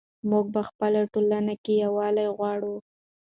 موږ په خپله ټولنه کې یووالی غواړو.